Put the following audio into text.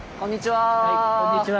はいこんにちは。